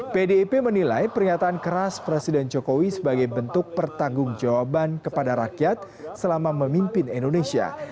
pdip menilai pernyataan keras presiden jokowi sebagai bentuk pertanggung jawaban kepada rakyat selama memimpin indonesia